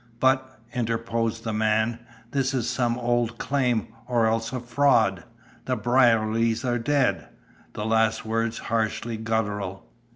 "But," interposed the man, "this is some old claim, or else a fraud! The Brierlys are dead!" The last words harshly guttural.